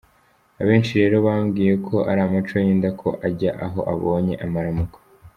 Abenshi rero bambwiye ko ari amaco y’inda, ko ajya aho abonye amaramuko.